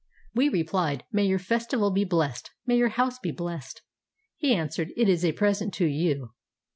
We replied, "May your festival be blessed, may ^' our house be blessed! " He answered, "It is a present to you."